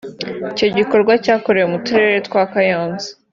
Icyo gikorwa cyakorewe mu turere twa Kayonza